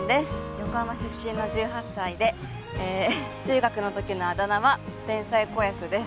横浜出身の１８歳でえ中学の時のあだ名は天才子役です